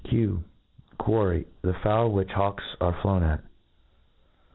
Quarry j tl^e fowl which hawks are flown at.